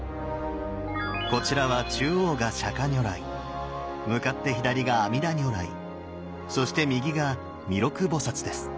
こちらは中央が釈如来向かって左が阿弥陀如来そして右が弥勒菩です。